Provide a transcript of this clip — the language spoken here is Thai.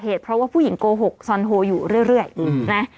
เพราะว่าผู้หญิงโกหกซอนโฮอยู่เรื่อยนะ